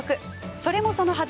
それもそのはず